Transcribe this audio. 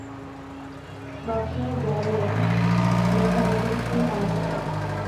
বাচ্চারা দেয়ালে লেখার ব্যাপারে খুবই পার্টিকুলার।